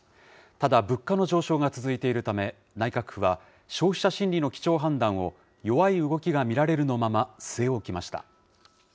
ただ、物価の上昇が続いているため、内閣府は消費者心理の基調判断を、弱い動きが見られるのまま据え置きました。